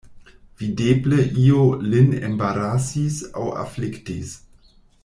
Videble io lin embarasis aŭ afliktis.